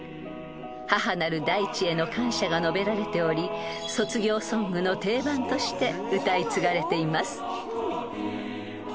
［母なる大地への感謝が述べられており卒業ソングの定番として歌い継がれています］